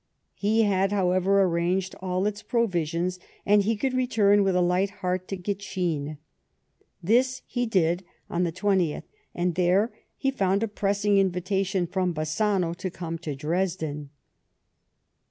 He had, however, arranged all its provisions, and he could return with a liijht heart to Gitschin, This he did on the 20th, and there he found a pressing invitation from Bassano to come to Dresden.